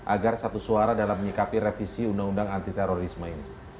agar satu suara dalam menyikapi revisi undang undang anti terorisme ini